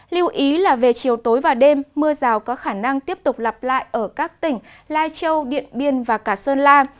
lưu ý là về chiều tối và đêm mưa rào có khả năng tiếp tục lặp lại ở các tỉnh lai châu điện biên và cả sơn la